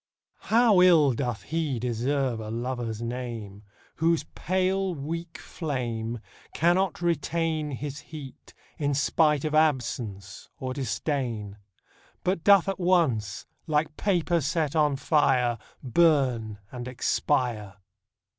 HOW ill doth lie deserve a Lover's name Whose pale weak flame Cannot retain His heat, in spite of absence or disdain ; But doth at once, like paper set on fire, Burn and expire